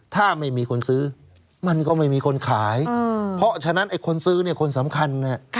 ถ้าไม่มีคนซื้อมันก็ไม่มีคนขายเพราะฉะนั้นไอ้คนซื้อเนี่ยคนสำคัญเนี่ย